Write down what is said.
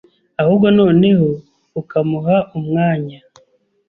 ahubwo noneho ukamuha umwanya,